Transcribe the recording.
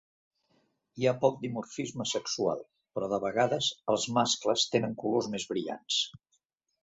Hi ha poc dimorfisme sexual, però de vegades els mascles tenen colors més brillants.